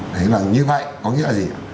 đấy là như vậy có nghĩa là gì